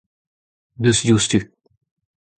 deus diouzhtu.